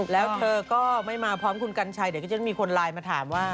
แล้วเธอก็ไม่มาพร้อมคุณกัญชัยเดี๋ยวก็จะมีคนไลน์มาถามว่า